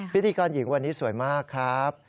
พิธีกรหญิงวันนี้สวยมากครับ